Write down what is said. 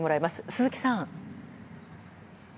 鈴木さん。